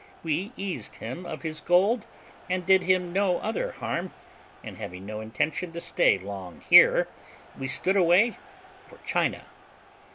We eased him of his gold, and did him no other harm, and having no intention to stay long here, we stood away for China.